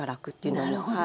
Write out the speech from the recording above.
なるほど！